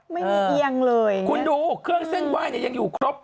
เอียงเลยคุณดูเครื่องเส้นไหว้เนี่ยยังอยู่ครบ